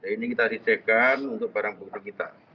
ini kita sisihkan untuk barang buku kita